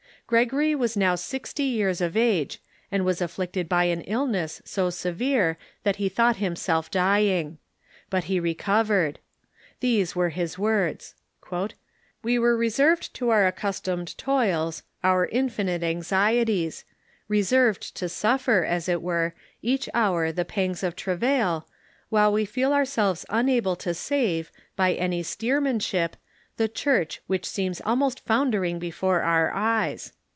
Gregory was now sixty years of age, and was afflicted by an illness so severe that he thought himself dj'ing. But he recovered. These were his words :" We were reserved to our accustomed toils, our infinite anxieties ; reserved to suffer, as it were, each hour the pangs of travail, while we feel our selves unable to save, by any steermanship, the Church which seems almost foundering before our e3'es."